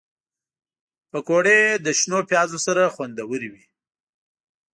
پکورې له شنو پیازو سره خوندورې وي